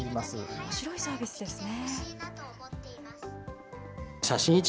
おもしろいサービスですね。